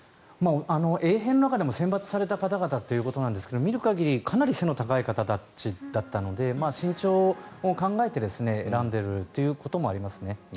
衛兵の中でも選抜された方々なんですが見る限りかなり背の高い方たちだったので身長を考えて選んでいるということもありますね。